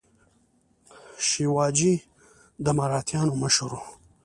شیواجي د مراتیانو مشر و.